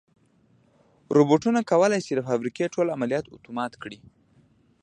روبوټونه کولی شي د فابریکې ټول عملیات اتومات کړي.